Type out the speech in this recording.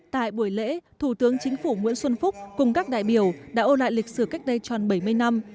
tại buổi lễ thủ tướng chính phủ nguyễn xuân phúc cùng các đại biểu đã ô lại lịch sử cách đây tròn bảy mươi năm